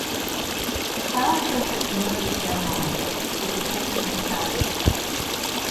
Crown Princess Mary of Denmark is the patron of the Foundation.